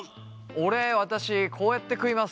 俺私こうやって食います。